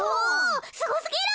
すごすぎる。